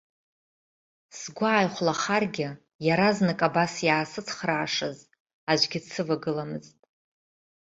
Сгәы ааихәлахаргьы, иаразнак абас иаасыцхраашаз аӡәгьы дсывагыламызт.